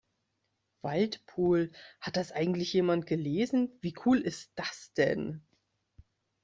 Waldpool, hat das eigentlich jemand gelesen? Wie cool ist das denn?